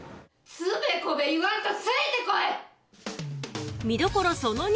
つべこべ言わんとついて来い！